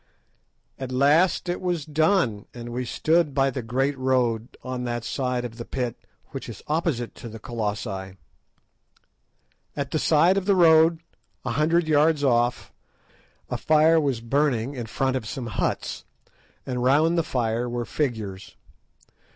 At last it was done, and we stood by the great road, on that side of the pit which is opposite to the Colossi. At the side of the road, a hundred yards off, a fire was burning in front of some huts, and round the fire were figures.